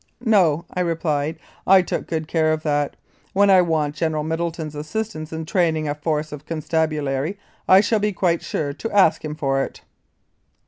"No," I replied, "I took good care of that; when I want General Middleton's assistance in train ing a force of constabulary I shall be quite sure to ask him for it."